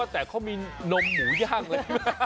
แต่เขามีนมหมูย่างเลย